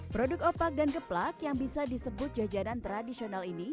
produk opak dan geplak yang bisa disebut jajanan tradisional ini